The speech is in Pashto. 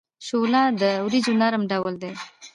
شوله د وریجو نرم ډول دی.